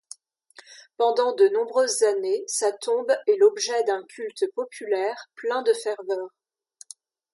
Pendant de nombreuses années sa tombe est l'objet d'un culte populaire plein de ferveur.